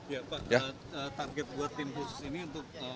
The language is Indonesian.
ya pak target buat tim khusus ini untuk